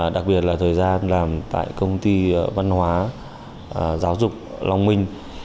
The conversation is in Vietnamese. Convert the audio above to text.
đặc biệt là thời gian làm tại công ty văn hóa giáo dục long minh